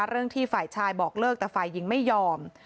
เรื่องที่ฝ่ายชายบอกเลิกแต่ฝ่ายหญิงไม่ยอม